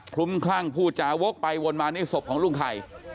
ครุ่มคร่ั่งผู้จาวกไปวนมาในศพของรุ่งไข่